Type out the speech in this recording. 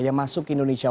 yang masuk ke indonesia